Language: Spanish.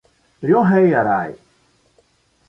Ryohei Arai